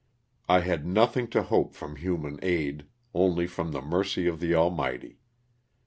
I had nothing to hope from human aid, only from the mercy of the Almighty.